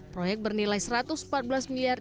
proyek bernilai satu ratus empat belas miliar